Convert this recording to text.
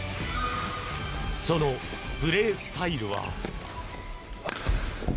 そのプレースタイルは。